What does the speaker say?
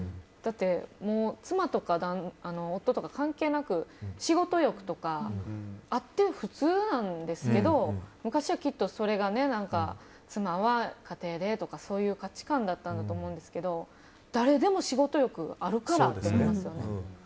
だって妻とか夫とか関係なく仕事欲とかあって普通なんですけど昔はきっとそれが妻は家庭でとか、そういう価値観だったと思うんですけど誰でも仕事欲あるからって思いますよね。